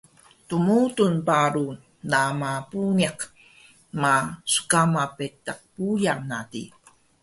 dmudul paru rana puniq ma sqama betaq puyaq na di